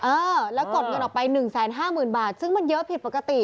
เออแล้วกดเงินออกไป๑๕๐๐๐บาทซึ่งมันเยอะผิดปกติ